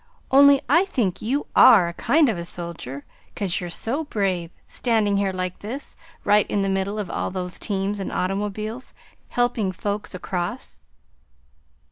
Only I think you ARE a kind of a soldier, 'cause you're so brave standing here like this, right in the middle of all these teams and automobiles, helping folks across."